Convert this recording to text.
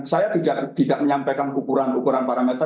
saya tidak menyampaikan ukuran ukuran parameter